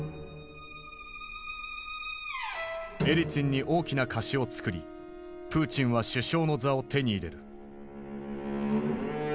エリツィンに大きな貸しをつくりプーチンは首相の座を手に入れる。